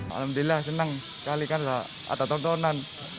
alhamdulillah senang sekali kan ada tontonan